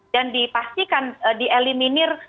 dan dipastikan dieliminir